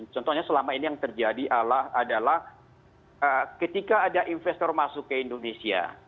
contohnya selama ini yang terjadi adalah ketika ada investor masuk ke indonesia